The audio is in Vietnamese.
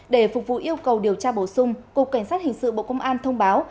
để phục vụ yêu cầu điều tra bổ sung cục cảnh sát hình sự bộ công an thông báo